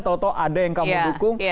tau tau ada yang kamu dukung